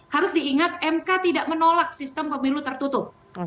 harus diingat mk tidak menolak sistem pemilu tertutup